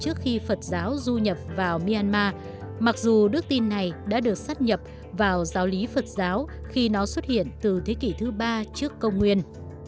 trước khi phật giáo du nhập vào myanmar mặc dù đức tin này đã được sát nhập vào giáo lý phật giáo khi nó xuất hiện từ thế kỷ thứ ba trước công nguyên